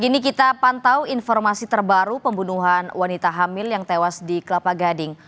kini kita pantau informasi terbaru pembunuhan wanita hamil yang tewas di kelapa gading